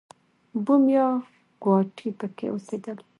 بوم یا ګواټي پکې اوسېدل.